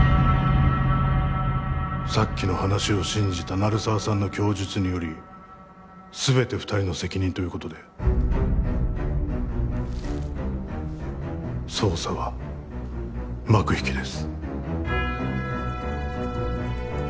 さっきの話を信じた鳴沢さんの供述により全て二人の責任ということで捜査は幕引きです